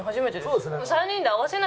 そうですね。